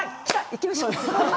行きましょう。